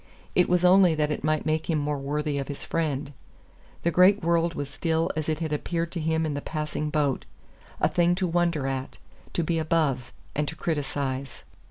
It was only that it might make him more worthy of his friend. The great world was still as it had appeared to him in the passing boat a thing to wonder at to be above and to criticize.